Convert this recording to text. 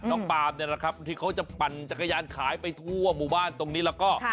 ปาล์มเนี่ยนะครับบางทีเขาจะปั่นจักรยานขายไปทั่วหมู่บ้านตรงนี้แล้วก็